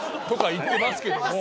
言ってますけども」